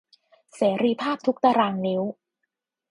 เสรีภาพทุกตารางนิ้ว